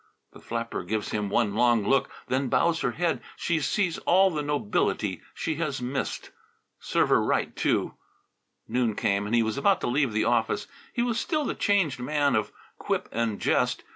The flapper gives him one long look, then bows her head. She sees all the nobility she has missed. Serve her right, too! Noon came and he was about to leave the office. He was still the changed man of quip and jest.